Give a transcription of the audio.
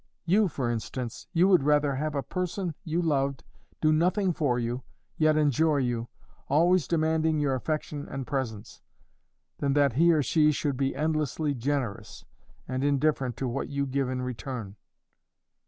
You, for instance you would rather have a person you loved do nothing for you, yet enjoy you, always demanding your affection and presence, than that he or she should be endlessly generous, and indifferent to what you give in return."